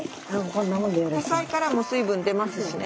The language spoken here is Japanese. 野菜からも水分出ますしね。